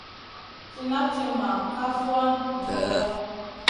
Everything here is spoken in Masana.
Cina timma ka suanu nen hobeya.